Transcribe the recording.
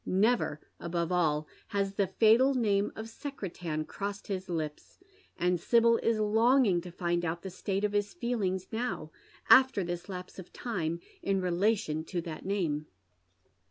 Never, above all, has the fatal name of Secretan crossed Ids lips ; and Sibyl in longing to find out the state of his feelings now, after this lapse of time, in relation to that name.